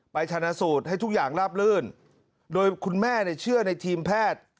ชนะสูตรให้ทุกอย่างลาบลื่นโดยคุณแม่เนี่ยเชื่อในทีมแพทย์